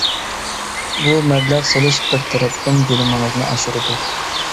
بۇ مەبلەغ سېلىش بىر تەرەپتىن بىلىمىڭىزنى ئاشۇرىدۇ.